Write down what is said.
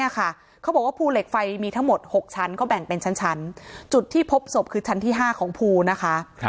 เขาบอกว่าภูเหล็กไฟมีทั้งหมด๖ชั้นก็แบ่งเป็นชั้นจุดที่พบศพคือชั้นที่๕ของภูนะคะ